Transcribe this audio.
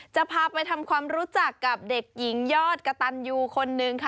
จะพาไปทำความรู้จักกับเด็กหญิงยอดกระตันยูคนนึงค่ะ